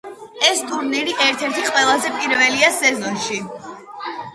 ეს ტურნირი ერთ-ერთი ყველაზე პირველია სეზონში.